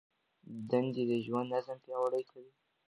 دندې د ژوند نظم پیاوړی کوي.